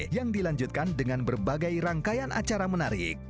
yang dilanjutkan dengan berbagai rangkaian acara menarik